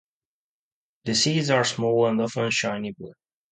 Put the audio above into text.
The seeds are small and often shiny black.